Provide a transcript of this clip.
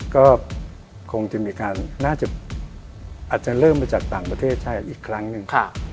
ก็คงจะมีการน่าจะเริ่มมาจากต่างประเทศใช่อีกครั้งหนึ่ง